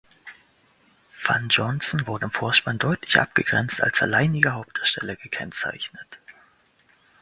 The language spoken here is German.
Van Johnson wurde im Vorspann deutlich abgegrenzt als alleiniger Hauptdarsteller gekennzeichnet.